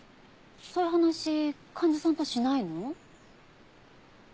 そういう話患者さんとしないの？